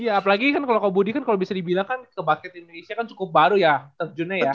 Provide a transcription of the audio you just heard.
iya apalagi kan kalau kak budi kalau bisa dibilang kan ke bucket indonesia kan cukup baru ya terjunnya ya